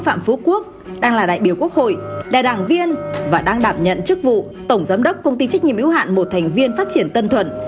phạm phú quốc đang là đại biểu quốc hội là đảng viên và đang đảm nhận chức vụ tổng giám đốc công ty trách nhiệm yếu hạn một thành viên phát triển tân thuận